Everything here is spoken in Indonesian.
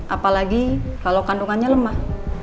apalagi kalau kandungannya lemah